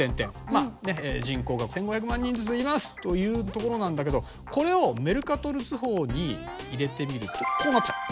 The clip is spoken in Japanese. まあ人口が１，５００万人ずついますというところなんだけどこれをメルカトル図法に入れてみるとこうなっちゃう。